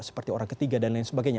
seperti orang ketiga dan lain sebagainya